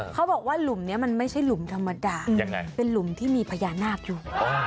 เขาบอกว่าหลุมนี้มันไม่ใช่หลุมธรรมดายังไงเป็นหลุมที่มีพญานาคอยู่